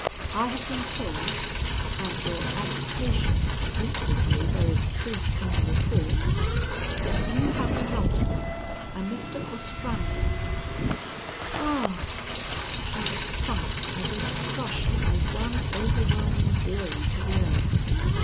I have been told and your agitation convinces me there is truth in the report that you have a lover, a Mr. Ostrander " "Ah!" She had sunk as if crushed by one overwhelming blow to the earth.